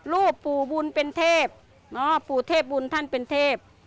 รูปปู่บุญเป็นเทพปู่เทพบุญท่านเป็นเทพ